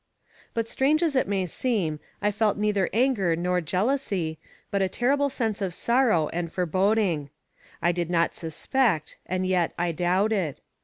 But strange as it may seem, I felt neither anger nor jealousy, but a terrible sense of sorrow and foreboding. I did not suspect, and yet, I doubted.